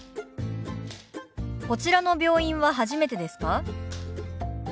「こちらの病院は初めてですか？」。